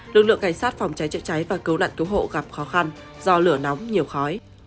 lực lượng cảnh sát phòng cháy chữa cháy và cứu nạn cứu hộ gặp khó khăn do lửa nóng nhiều khói